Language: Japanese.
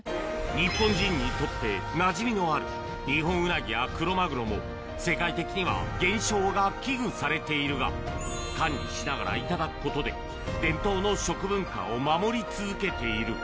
日本人にとってなじみのあるニホンウナギやクロマグロも、世界的には減少が危惧されているが、管理しながら頂くことで、伝統の食文化を守り続けている。